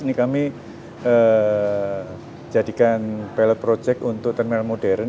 ini kami jadikan pilot project untuk terminal modern